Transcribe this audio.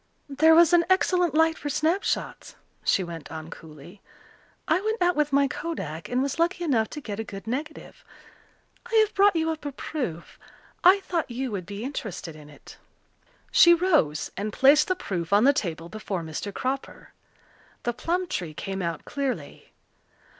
"There was an excellent light for snapshots," she went on coolly. "I went out with my kodak and was lucky enough to get a good negative. I have brought you up a proof. I thought you would be interested in it." She rose and placed the proof on the table before Mr. Cropper. The plum tree came out clearly.